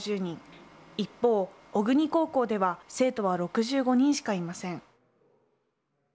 一方、小国高校では生徒は６５人しかいません。